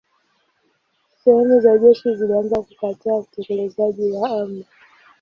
Sehemu za jeshi zilianza kukataa utekelezaji wa amri.